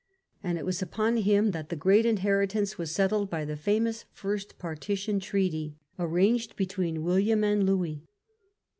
And it was upon him that the great inher itance was settled by the famous First Partition Treaty, First arranged between William and Louis.